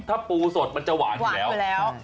ถ้าปูสดมันจะหวานอยู่แล้ว